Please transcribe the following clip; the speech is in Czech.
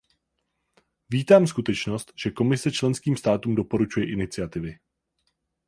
Vítám skutečnost, že Komise členským státům doporučuje iniciativy.